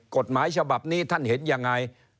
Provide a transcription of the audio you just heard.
กฎหมายฉบับนี้ท่านเห็นยังไง